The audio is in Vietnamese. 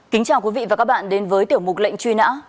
kính chào quý vị và các bạn đến với tiểu mục lệnh truy nã